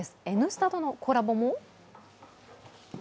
「Ｎスタ」とのコラボも！？